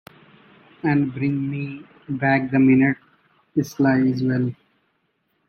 And bring me back the minute Isla is well?